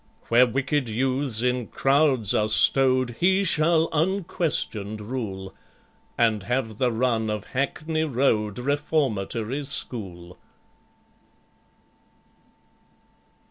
"Where wicked youths in crowds are stowed He shall unquestioned rule, And have the run of Hackney Road Reformatory School!"